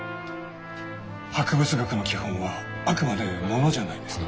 博物学の基本はあくまで「モノ」じゃないですか。